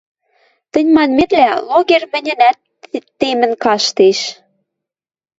Тӹнь манметлӓ, логер мӹньӹнӓт темӹн каштеш.